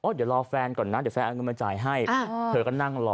เดี๋ยวรอแฟนก่อนนะเดี๋ยวแฟนเอาเงินมาจ่ายให้เธอก็นั่งรอ